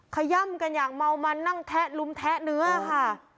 ขย่ำกันอย่างเมามันนั่งแทะลุมแทะเนื้อค่ะ